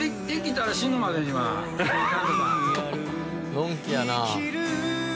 のんきやなあ。